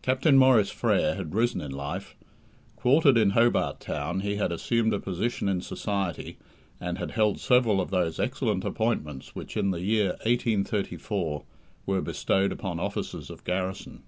Captain Maurice Frere had risen in life. Quartered in Hobart Town, he had assumed a position in society, and had held several of those excellent appointments which in the year 1834 were bestowed upon officers of garrison.